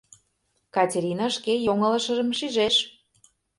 — Катерина шке йоҥылышыжым шижеш.